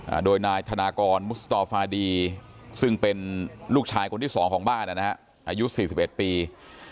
อ่าโดยนายธนากรมุสตอฟาดีซึ่งเป็นลูกชายคนที่สองของบ้านนะฮะอายุสี่สิบเอ็ดปี